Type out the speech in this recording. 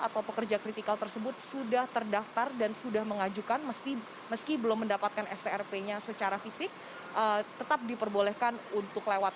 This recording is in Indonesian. atau pekerja kritikal tersebut sudah terdaftar dan sudah mengajukan meski belum mendapatkan strp nya secara fisik tetap diperbolehkan untuk lewat